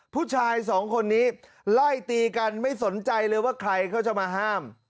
ผู้ชายสองคนนี้ไล่ตีกันไม่สนใจเลยว่าใครเขาจะมาห้าม